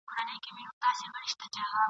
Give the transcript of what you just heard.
ستا رګو ته د ننګ ویني نه دي تللي ..